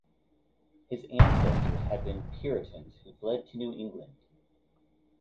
His ancestors had been Puritans who fled to New England.